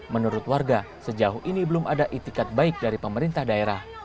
menurut warga sejauh ini belum ada itikat baik dari pemerintah daerah